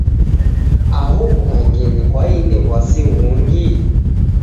Aho w'ughangenyi kwaine w'wasi ghungi ?